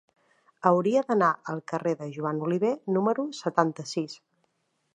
Hauria d'anar al carrer de Joan Oliver número setanta-sis.